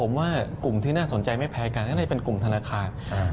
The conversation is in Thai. ผมว่ากลุ่มที่น่าสนใจไม่แพ้กันก็น่าจะเป็นกลุ่มธนาคาร